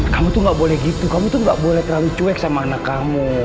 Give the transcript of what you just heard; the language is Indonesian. kamu tuh gak boleh gitu kamu tuh gak boleh terlalu cuek sama anak kamu